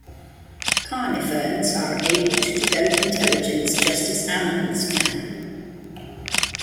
Carniferns are able to develop intelligence just as animals can.